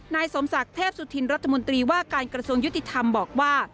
นายสมศักดิ์เทพสุธินรัฐมนตรีว่าการกระทรวงยุติธรรมบอกว่า